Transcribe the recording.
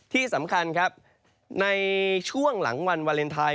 ที่สำคัญครับในช่วงหลังวันวาเลนไทย